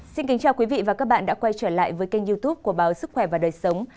xin kính chào quý vị và các bạn đã quay trở lại với kênh youtube của báo sức khỏe và đời sống